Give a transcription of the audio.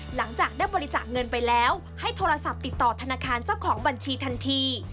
หลังจากได้บริจาคเงินไปแล้วให้โทรศัพท์ติดต่อธนาคารเจ้าของบัญชีทันที